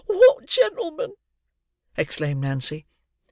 What gentleman?" exclaimed Nancy.